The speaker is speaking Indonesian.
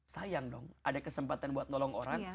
sayang dong ada kesempatan buat nolong orang